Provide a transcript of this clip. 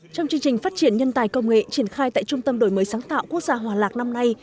trong chương trình phát triển nhân tài công nghệ triển khai tại trung tâm đổi mới sáng tạo quốc gia hòa lạc năm nay